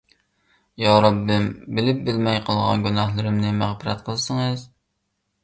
يا رەببىم، بىلىپ-بىلمەي قىلغان گۇناھلىرىمنى مەغپىرەت قىلسىڭىز.